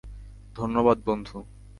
ধন্যবাদ, বন্ধু!